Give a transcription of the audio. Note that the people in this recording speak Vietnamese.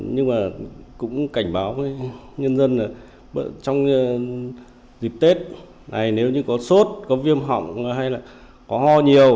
nhưng mà cũng cảnh báo với nhân dân là trong dịp tết này nếu như có sốt có viêm họng hay là có ho nhiều